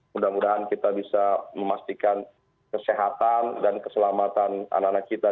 mudah mudahan kita bisa memastikan kesehatan dan keselamatan anak anak kita